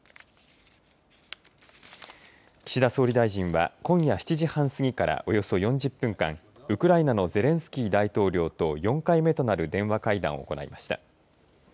岸田総理大臣は今夜７時半過ぎからおよそ４０分間、ウクライナのゼレンスキー大統領と４回目となる電話会談を行いました。